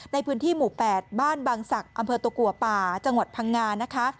ในพื้นที่หมู่๘บ้านบางศักดิ์อำเภอตะกัวป่าจังหวัดพังงานะคะ